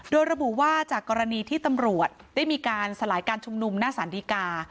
โดยระบุว่าจากกรณีที่ตำรวจได้มีการสลายการชุมนุมหน้าสารดีกา